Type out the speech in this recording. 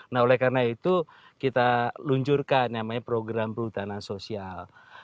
nah oleh karena itu kita luncurkan namanya program perhutanan sosial